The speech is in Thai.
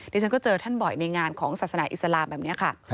ที่ฉันก็เจอท่านบ่อยในงานของศาสนาอิสลามแบบนี้ค่ะ